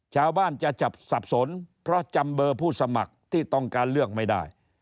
ชาวบ้านจะจับสับสนเพราะจำเบอร์ผู้สมัครที่ต้องการเลือกไม่ได้